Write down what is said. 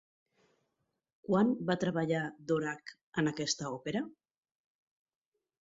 Quan va treballar Dvořák en aquesta òpera?